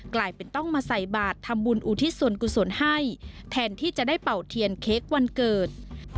กลายเป็นต้องมาใส่บาททำบุญอุทิศส่วนกุศลให้แทนที่จะได้เป่าเทียนเค้กวันเกิด